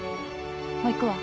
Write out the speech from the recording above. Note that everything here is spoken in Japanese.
もう行くわ。